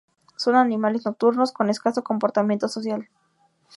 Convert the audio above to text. Son animales nocturnos con escaso comportamiento social.